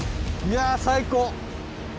いやあ最高！